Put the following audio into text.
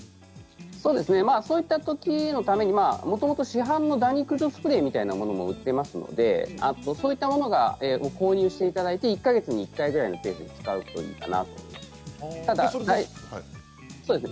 そういったときのためにもともと市販のダニ駆除スプレーみたいなものも売っていますのでそういったものをご購入していただいて１か月に１回ぐらいのペースで使うといいかなと思います。